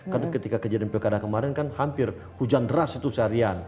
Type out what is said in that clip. karena ketika kejadian pilkada kemarin kan hampir hujan deras itu seharian